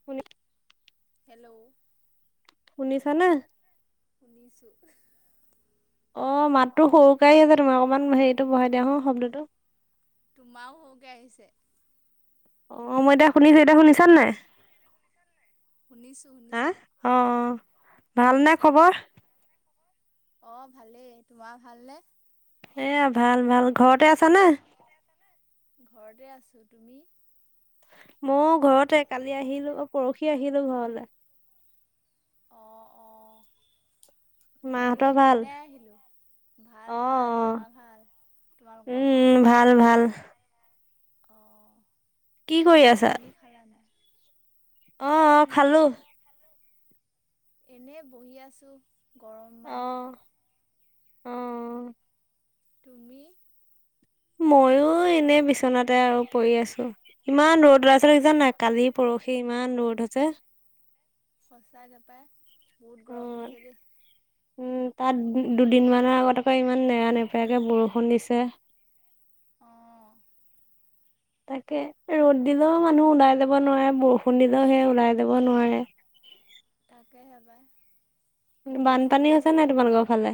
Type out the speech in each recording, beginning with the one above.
শুনি হেল্ল' শুনিছা নে শুনিছো অ মাততো সৰুকে আহি আছে তোমাৰ অকণমান হেৰিটো বঢ়াই দিয়া শব্দটো তোমাও হওঁকে আহিছে অ মই এতিয়া শুনিছো এতিয়া শুনিছানে নাই শুনিছো হা? শুনিছো অ' অ' ভালনে শুনিছো খবৰ? অ ভালেই তোমাৰ ভালনেে এয়া ভাল ভাল ঘৰতে আছা নে ঘৰতে আছো তুমি ময়ও ঘৰতে কালি আহিলো পৰহি আহিলো ঘৰলে [unintelligible] অ অ ময়ো মাহঁতৰ ভাল? সেইদিনাই আহিলো অ অ উম তোমালোকৰ উম ভাল ভাল অঁ কি কৰি ভাত আছা? পানী খালা নাই অ অ খালো এনে বহি আছোঁ গৰম মান অ' অ তুমি ময়ো এনে বিচনাতে আৰু পৰি আছো ইমান ৰদ ওলাইছে‌ দেখিছা‌ নাই কালি পৰহি ইমান ৰ'দ আছে সঁচাকে পায় বহুত গৰম অ' হৈছে দেই। উম তাত দুদিনমানৰ আগত আকৌ ইমান নেৰা নেপেৰাকে বৰষুণ দিছে। অঁ তাকে ৰ'দ দিলেও মানুহ ওলাই যাব নোৱাৰে বৰষুণ, দিলেও সেই ওলাই যাব নোৱাৰে। [unintelligible] তাকে হে পাই। বৰ বানপানী বেছিকেই হৈছে নাই দিছে তোমালোকৰ ৰ'দটো ফালে?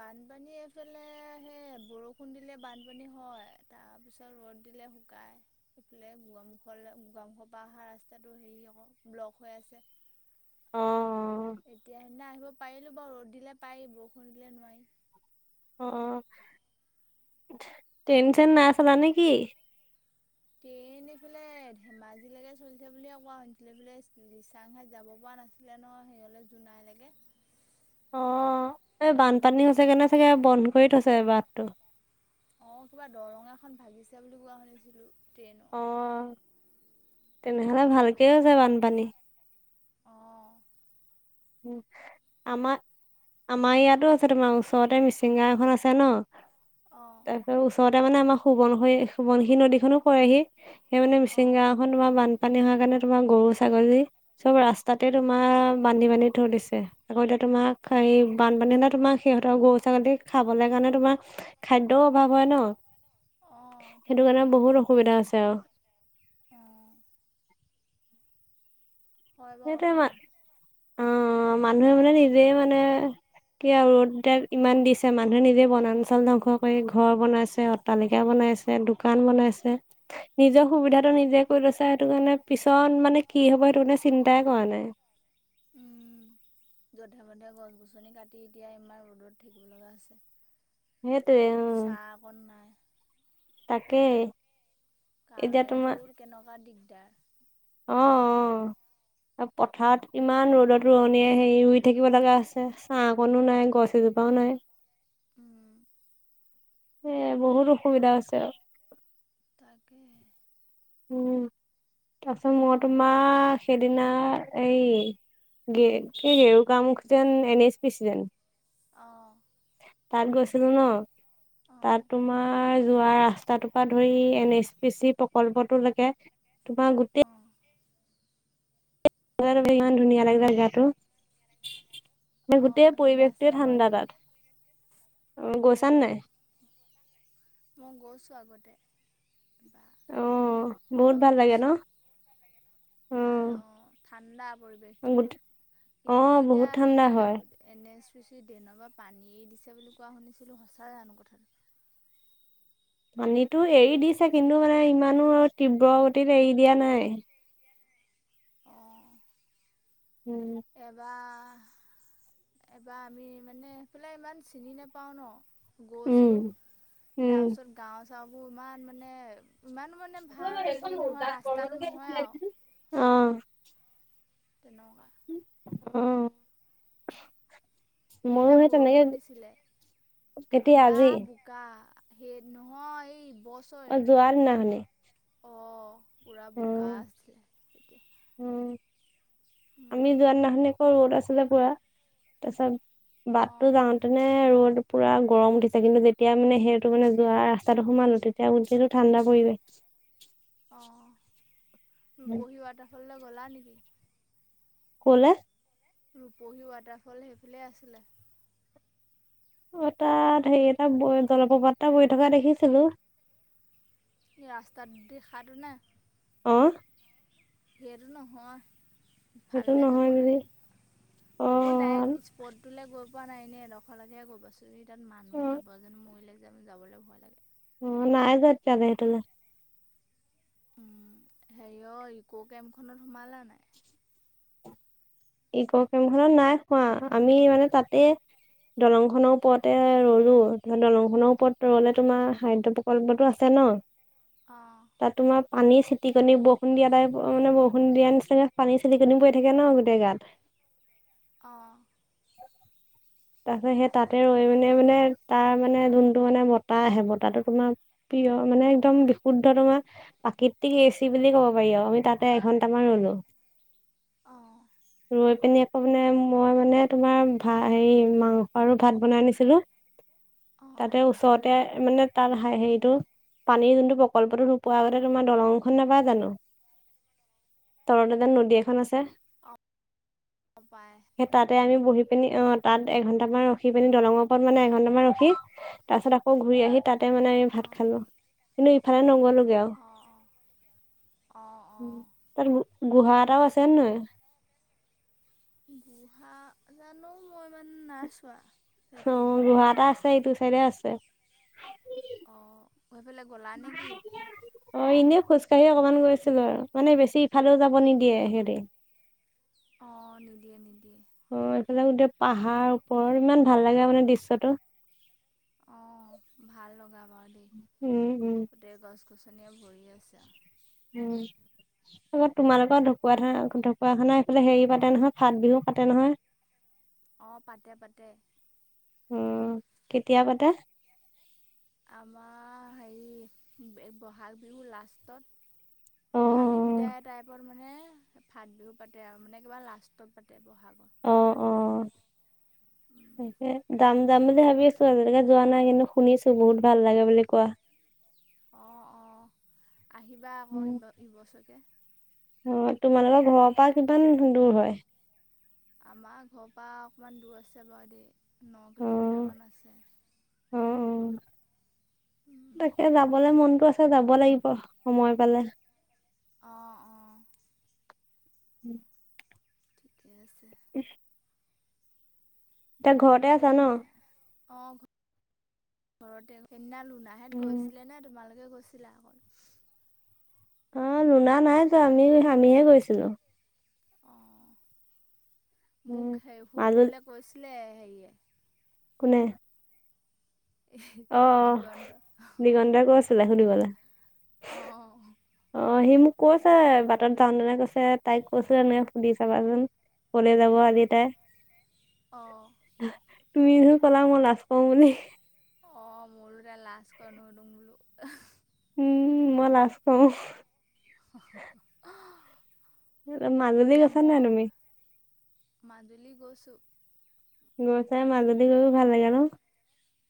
বানপানীয়ে এইফালে সেই [unintelligible] বৰষুণ দিলে বানপানী হয়। তাৰ পিছত ৰ'দ দিলে শুকাই এইফালে গোগামুখলৈ গোগামুখৰ পৰা অহা ৰাস্তাটো হেৰি আকৌ ব্লক হৈ আছে। অ অ। এতিয়া সেইদিনা আহিব পাৰিলো বাৰু ৰ'দ দিলে পাৰি বৰষুণ দিলে নোৱাৰি। অ টেনছেন নাই চলা নেকি? ট্ৰেইন এইফালে ধেমাজিলৈকে চলিছে বুলিয়ে কোৱা শুনিছিলোঁ ৰিচাংঘাট যাব পৰা নাছিলে ন হেৰিঅলৈ জোনাই লৈকে অ এই বানপানী হৈছে গে নে সেইকাৰণে চাগে বন্ধ কৰি থৈছে বাটটো। অ কিবা দৰঙাখন ভাগিছে বুলি কোৱা শুনিছিলো। আহ তেনেহলে ভালকে হৈছে বানপানী। অঁ। উ আমাৰ আমাৰ ইয়াতো আছে তোমাৰ ওচৰতে মিচিংগাও এখন আছে ন। অঁ ওচৰতে [unintelligible] তাৰ মানে আমাৰ সোৱন সোৱণশিৰী নদী খনো পৰেহি সেই মানে মিচিং অ'। গাওঁ খনৰ তোমাৰ বানপানী হোৱাৰ কাৰণে তোমাৰ গৰু, ছাগলী, চব ৰাস্তাতে উম। তোমাৰ বান্ধি বান্ধি ধৰি দিছে আকৌ এতিয়া তোমাক বানপানীনা তোমাৰ সিহঁতৰ গৰু ছাগলী খাবলৈ কাৰণে তোমাৰ খাদ্য অভাৱ হয় ন অ', সেইটো কাৰণে তাকেহে। বহুত অসুবিধা আছে আৰু অ', [unintelligible] হয়। বাৰু সেইটোৱে মা কথাটো। অ মানুহে মানে নিজে মানে কি আৰু ৰ'দ ইমান দিছে মানুহে নিজে বনাঞ্চল ধ্বংস কৰি ঘৰ বনাইছে অট্টালিকা বনাই বনাইছে, দোকান বনাইছে, নিজৰ সুবিধাটো উম। নিজে কৰি লৈছে সেইটো কাৰণে- পিছত মানে কি হ'ব সেইটো তাই কৰা নাই। উম, যধে মধে গছ, -গছনি কাটি এতিয়া ইমান ৰ'দত থাকিব লগা হৈছে। সেইটোৱে অ। চাহ অকণ নাই, তাকে। কাৰেণ্ট টো কেনেকুৱা দিগদাৰ। অ অ। আৰু পথাৰত ইমান ৰ'দত ৰোৱনীয়ে হেৰি ৰুই থাকিব লগা হৈছে। ছাঁ কনো নাই গছ এজোপাও- নাই নাই। উম। এ বহুত অসুবিধা হৈছে। আৰু - তাকে হে। উম তাৰ পিছত মই তোমাৰ সেইদিনা হেৰি [unintelligible] অ', তাত গৈছিলো ন। তাত অ', তোমাৰ যোৱা ৰাস্তাটোৰ পৰা ধৰি এন এইচ পি চি প্ৰকল্পটো লৈকে। তোমাৰ গোটেই অ'। ইমান ধুনীয়া লাগিল গাটো। অ', গোটেই সেইফালে আছে পৰিৱেশটোৱে বাৰু ঠাণ্ডা দেই। তাত। গৈছা নে অ', নাই? মই গৈছোঁ আগতে। এবাৰ, অ দুবাৰ। বহুত দুবাৰমান ভাল লাগে ন? গৈছোঁ, ভাল অ ঠাণ্ডা পৰিৱেশটো গোট অ কিন্তু বহুত এতিয়া ঠাণ্ডা সেই হয় এন এছ পি চি ডেনৰ বা পৰা পানীয়ে দিছে বুলি কোৱা শুনিছিলোঁ সঁচাই জানো কথাটো? [unintelligible] [inaudible] পানীতটো এৰি দিছে কিন্তু মানে ইমানো আৰু তীব্ৰ গতিত এৰি দিয়া নাই। অ', উম এবাৰ এবাৰ আমি মানেএফিলে ইমান চিনি নেপাও ন? উম গৈছিলোঁ উম তাৰপিছত গাঁও চাওঁবোৰ ইমান মানে ইমানো মানে ভাল হেৰি নহয় ৰাস্তাটো নহয় আৰু অ তে ন আহ। সেইদিনা বৰষুণ, দিছিলে কেতিয়া পুৰা আজি বোকা সেই নহয় বছৰে অজোৱাৰ নাহনি? পুৰা বোকা আছিলে। তেতিয়া উম আমি যোৱাত নাখনি'ক ৰ'দ আছিলে পুৰা। তাৰছত বাটতটো অঁ যাওঁতে ন ৰ'দ পুৰা গৰম উঠিছে কিন্তু যেতিয়া মানে সেইটো মানে যোৱা ৰাস্তাটো সোমালো তেতিয়া উঠটো ঠাণ্ডা পৰিৱেশ। অঁ ৰূপহী ৱাটাৰফললৈ গ'লা নেকি? ক'লে? ৰূপহী ৱাটাৰফল সেইফালে আছিলে। অ তাত হেৰি এটা ব জলপ্ৰপাতটা বৈ থকা দেখিছিলো। ৰাস্তাত দি খাৰটো নে অঁ হেটো নহয়। সেইটো ভালেদে যাব নহয় বুলি লাগে অ ময়ো ডাইৰেক্ট স্পটটো গৈ পোৱা নাই ননে এডোখৰলৈকে গৈ পাইছো এই তাত মানুহ কেইবাজন মৰিলে যে যাবলৈ ভয় লাগে। অ নাইজা তেতাসেটলে হেৰি অ' ইকো কেমখনত সোমালা নাই? ইক' কেম্প খনত নাই খোৱা আমি মানে তাতে দলং খনৰ ওপৰতে ৰলো ধ দলং খনৰ ওপৰত ৰলে তোমাৰ খাদ্যয় প্ৰকল্পতটো আছে ন অঁ তাত তোমাৰ পানী চিটিকনি বৰষুণ দিয়াটাইপৰ মানে বৰষুণ দিয়া নিচিনাকৈ পানী চটিকনি পৰি থাকে ন গোটেই গাত। অ তাৰপিছত সেই তাতে ৰৈ মানে মানে তাৰ মানে যোনটো মানে বতাহ আহে বতাহটো তোমাৰ প্ৰিয় মানে একদম বিশুদ্ধ তোমাৰ প্ৰাকৃতিক এচি বুলি ক'ব পাৰি অ আমি তাতে এঘন্টামান ৰলো। অঁ ৰৈ পিনি আকৌ মানে মই মানে তোমাৰ ভ হেৰি মাংস আৰু ভাত বনাইনিছিলো। তাতে ওচৰতে মানে তাৰ হ হেৰিটো পানীৰ যোনটো প্ৰকল্পটো নোপোৱাৰ আগতে তোমাৰ দলংখন নাপা জানো? তলতো যে নদী এখন আছে। সেই অঁ অঁ পায় তাতে আমি বহি পিনি অ তাত এঘন্টামান ৰখি পিনি দলঙৰ অঁ ওপৰত মানে এঘন্টামান ৰখি তাৰ পাছত আকৌ ঘূৰি আহি তাতে মানে ভাত অঁ খালো। কিন্তু ইফালে নগ'লোগে আৰু অঁ অঁ অঁ অঁ তাত গুহা এটা আছে নহয় আ জানো মই ইমানে নাই চোৱা। অ সেইফালে গুহা এটা আছে ইটো চাইডে আছে। সেফলে গ'লা নেকি? অকণমান গৈছিলে আৰু মানে বেছি ইফালেও যাব নিদিয়ে সেতি। অ', নিদিয়ে-নিদিয়ে। অ', এইফালে গো পাহাৰ ওপৰ ইমান ভাল লাগে মানে দৃশ্যটো। অ', ভাল লগা বাৰু দেই, উম উম গোটেই গছ গছনিয়ে ভৰি আছে আৰু উম। আকৌ তোমালোকৰ ঢকুৱা খানা ঢকুৱাখানা এইফালে হেৰি পাতে নহয় ফাত বিহু পাতে নহয়? [inaudible] অ', পাতে-পাতে। অ', কেতিয়া পাতা? আমাৰ হেৰি বহাগ বিহু লাষ্টত। অ বহাগি অ বিদায় টাইপৰ মানে ফাত বিহু পাতে আৰু মানে কিবা লাষ্টত পাতে ব'হাগ আহ অ। তাকে যাম যাম বুলি ভাবি আছো আজিলকে যোৱা নাই কিন্তু শুনিছো বহুত ভাল লাগে বুলি কোৱা। অঁ অঁ আহিবা আকৌ ইব ইবছৰকে অ তোমালোকৰ ঘৰৰ পৰা কিমান দূৰ হয়। আমাৰ ঘৰৰ পৰা অকমান দূৰ আছে বাৰু দেই। ন অ কিলোমিটাৰমান আছে অ অ তাকে যাবলে মনতটো আছে যাব লাগিব সময় পালে। অঁ অঁ উম ঠিকে আছে উ এতিয়া ঘৰতে আছা ন? অ', ঘৰতে। সেইদিনা লোনাহত গৈছিলে নে তোমালোকে গৈছিলা, অ'। অ', লোনা নাইজুৱা, আমি আমিহে গৈছিলোঁ। অঁ মোক হে মাজুল সুধিবলৈ কৈছিলে হেৰিয়ে কোনে? অ', দিগন্ত দিগন্তই কৈছিলে শুনিবলৈ। অঁ অ', সি মোক কৈছে মই বাটত যাওঁতেনে কৈছে কৈছিলে [unintelligible] সুধি চাবাচোন। কলে যাব বোলো অঁ আজি টাই। অঁ তুমি পলা মই লাজ পাওঁ বুলি। অ', মুলৰে লাচ কৰে ন উদংো। উম মই লাজ কৰো। মাজুলী গৈছা নাই তুমি? মাজুলি গৈছোঁ। গৰু চাই মাজুলী [unintelligible] ভাল লাগে ন?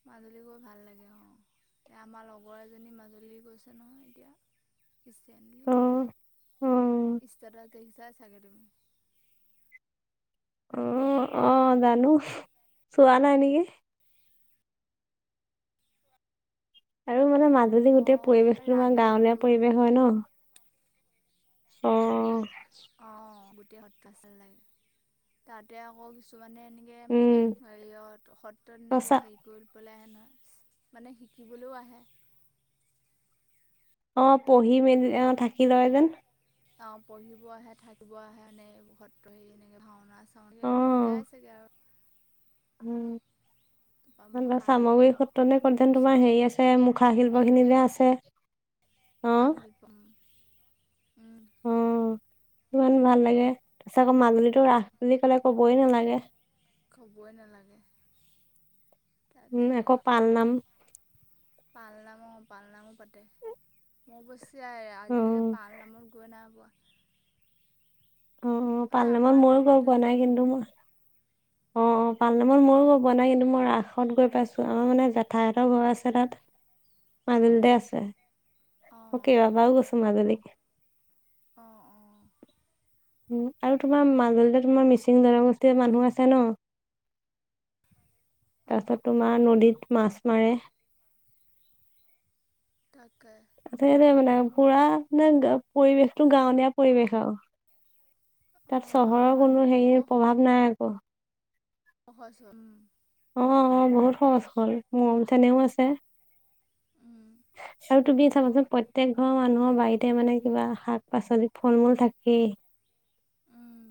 মাজুলী গৈ ভাল লাগে অ'। এ আমাৰ লগৰ এজনী মাজুলী গৈছে নহয় এতিয়া। অ অ ষ্টেটাছ দেখিছাই চাগে তুমি? অ', অ', জানো। চোৱানাই নেকি? আৰু মানে মাজুলি গোটেই অঁ পৰিৱেশটোো তোমাৰ ৰাজু গাঁৱলীয়া ৰাজু পৰিৱেশ হয় ন? অ'। অ', গোটেই সত্ৰ পাচাল লাগে তাতে আকৌ কিছু মানে এনেকে উম হেৰিয় সত্ৰত সঁচা এনেকে হেৰি কৰি পেলাই হেন মানে শিকিবলৈও আহে। অ', পঢ়ি মেলি অ, থাকি লয় যেন। অ', পঢ়িব আহে থাকিব আহে এনে সত্ৰ স এনেকে ভাওনা চাও অ এই শিকাই চাগে আৰু। উম। তাৰপা মুখা শিল্প চামগৰি সত্ৰ নে ক'তন তোমাৰ হেৰি আছে মুখা শিল্প খিনি যে আছে, অ মোখা শিল্প উম ইমান ভাল লাগে তাৰপিছত আকৌ মাজুলীটো ৰাস বুলি কলে কবই নালাগে কবই নালাগে উম তাকেহে আকৌ পাল নাম পাল নামো পাল নামো পাতে মই টো যাই অ আজিলৈকে পাল নামত গৈ নাই পোৱা অ মানে পালনামত আমাৰ মইয়ো গম নাপাতে পোৱা যে নাই কিন্তু মোৰ অ অ পাল নামত ময়ো গৈ পোৱা নাই কিন্তু মই ৰাসত গৈ পাইছো আমাৰ মানে জেঠাই হতৰ ঘৰ আছে তাত, অ মাজুলীতে আছে অ মই কেইবাবাৰু গৈছো মাজুলী অ', অ'। আৰু তোমাৰ সেইটো মাজুলীতে তোমাৰ মিচিং জনগোষ্ঠীৰ কথা মানুহ আছে ন? অ তাৰপিছত তোমাৰ নদীত মাছ মাৰে। তাকে। সেইটে মানে পুৰা নে পৰিৱেশটো গাঁৱলীয়া পৰিৱেশ আৰু। অ তাত আৰু চহৰৰ কোনো মানুহবোৰ হেৰি প্ৰভাৱ নাই আকৌ। সচ উম। অ', অ', বহুত সহজ সৰল। মৰম চেনেহ ও আছে। উম [unintelligible] আৰু তুমি চাবাচোন প্ৰত্যেক ঘৰৰ মানুহৰ বাৰীতে মানে কিবা শাক পাচলি ফল মূল থাকেই। [unintelligible] উম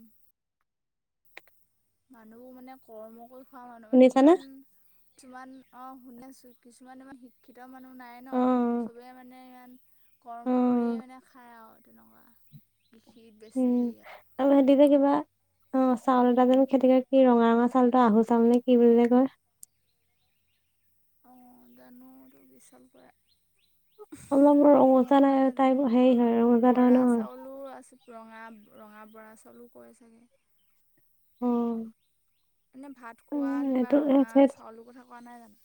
মানুহবোৰ মানে কৰ্ম কৰি খোৱা মানুহ মানে শুনিছানে? ইমান তমান অ শুনেছো কিছুমান ইমান শিক্ষিত মানুহ নাই ন অ', চবেই মানে ইমান কৰ্ম কৰিয়েই অ', মানে খায় আৰু তেনেকুৱা খীৰত বেছি উম, হয়া আৰু সিহঁতি যে কিবা [unintelligible] অ চাউল এটা জানো খেতি কৰে কি ৰঙা ৰঙা চাউলটো আহু চাউল নে কি বুলিলে কয় অঁ জানো বিশাল কৰা অলপ ৰঙচা নাজানো তাইপ হেৰি হয় ৰঙচা বৰা ধৰণৰ চাউলো আছে ৰঙা ৰঙা বৰা চাউলো কৰে চাগে অ', এনেই ভাত খোৱা উম, কিবা এইটো ৰঙা সেই চাউলৰ কথা কোৱা নাই জানো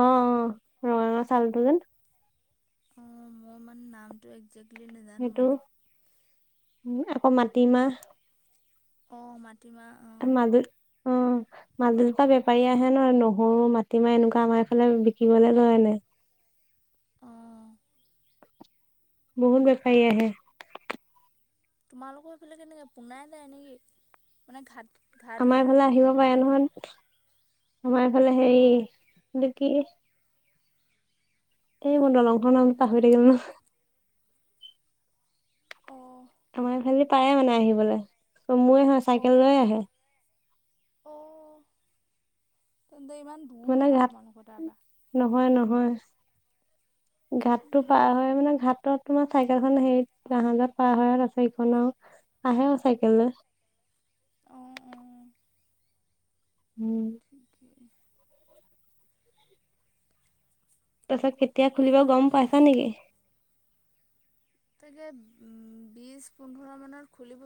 অ অ ৰঙা ৰঙা চাউলটো যে অ মই মানে নামটো একজে্টলি নাজানো মানে উ আকৌ মাটিমাহ অ মাটিমাহ অঁ মাজুলী অ মাজুলী পৰা বেপাৰী আহে নহয় নহৰু মাটিমাহ এনেকুৱা আমাৰ এইফালে বিকিবলৈ লয় এনেক [unintelligible] আহ বহুত বেপাৰী আহে। তোমালোকৰ সিফালে কেনেকে পুনাই যায় নেকি মানে ঘাট ঘাট হৈ আমাৰ ফালে আহিব পাৰে নহয় আমাৰ ফালে অ'। হেৰি কি? এই মই দলংখনৰ নাম পাহৰি থাকিলো নহয়, অ' আমাৰফালি পাৰে মানে আহিবলৈ ময় হয় চাইকেল অ', লৈয়ে আহে অ তেন্তে ইমান দূৰ মানে নহয় তোমালোকৰ তাৰপা, [inaudible] ঘাটতটো পাৰ উম। হয় মানে ঘাটত তোমাৰ চাইকেলখন হেৰিত জাহাজত পাৰ হয় আছে ইখন নাও আহে চাইকেল লৈ অঁ অঁ। উম, [inaudible] তাৰপিছত কেতিয়া খুলিব গম পাইছা নেকি? তাকে উম বিশ পোন্ধৰ মানৰ খুলিব।